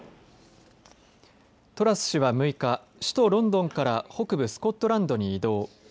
トラス氏は６日首都ロンドンから北部スコットランドに移動。